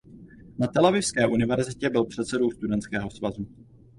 Na Telavivské univerzitě byl předsedou studentského svazu.